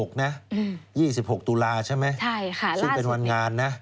ใช่ค่ะล่าสุดนี้ช่วยเป็นวันงานนะ